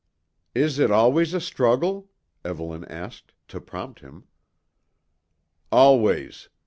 "Is it always a struggle?" Evelyn asked, to prompt him. "Always.